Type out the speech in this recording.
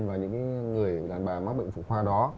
và những người đàn bà mắc bệnh phụ khoa đó